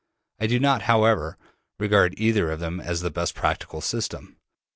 I do not, however, regard either of them as the best practicable system.